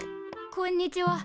こんにちは。